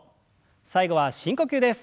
最後は深呼吸です。